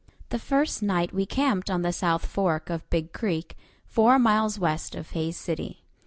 The first night we camped on the south fork of Big Creek, four miles west of Hays City.